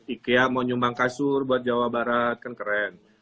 ikea mau nyumbang kasur buat jawa barat kan keren